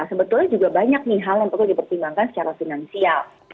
sebetulnya juga banyak nih hal yang perlu dipertimbangkan secara finansial